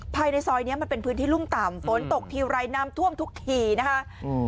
ภายในซอยเนี้ยมันเป็นพื้นที่รุ่มต่ำฝนตกทีไรน้ำท่วมทุกทีนะคะอืม